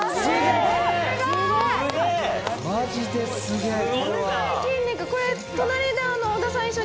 すごい。